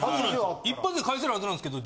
一発で返せるはずなんですけど。